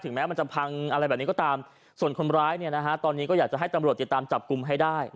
แม้มันจะพังอะไรแบบนี้ก็ตามส่วนคนร้ายตอนนี้ก็อยากจะให้ตำรวจติดตามจับกลุ่มให้ได้